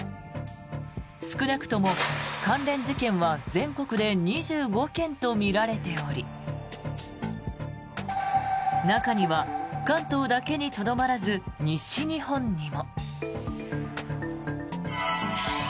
少なくとも関連事件は全国で２５件とみられており中には関東だけにとどまらず西日本にも。